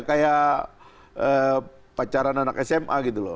kayak pacaran anak sma gitu loh